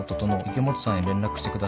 池本さんへ連絡してください」